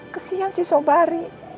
kesian sih sobari